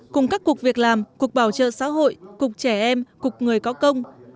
cùng các cuộc việc làm cuộc bảo trợ xã hội cuộc trẻ em cuộc người có công